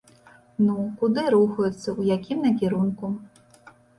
Ну, куды рухацца, у якім накірунку?